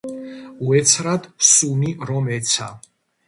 უეცრად სუნი რომ ეცა.